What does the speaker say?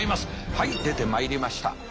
はい出てまいりました。